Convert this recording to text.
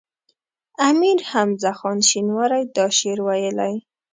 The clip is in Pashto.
امیر حمزه خان شینواری دا شعر ویلی.